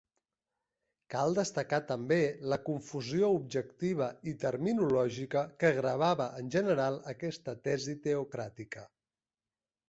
Cal destacar també la confusió objectiva i terminològica que gravava en general aquesta tesi teocràtica.